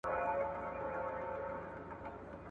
ماشومان هلته ژبه زده کوي.